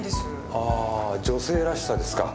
あ女性らしさですか。